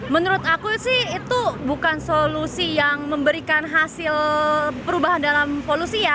menurut aku sih itu bukan solusi yang memberikan hasil perubahan dalam polusi ya